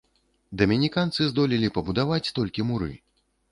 Дамініканцы здолелі пабудаваць толькі муры.